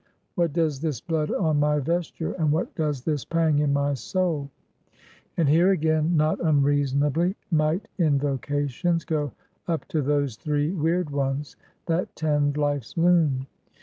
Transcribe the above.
What does this blood on my vesture? and what does this pang in my soul? And here again, not unreasonably, might invocations go up to those Three Weird Ones, that tend Life's loom.